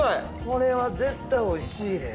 これは絶対おいしいね。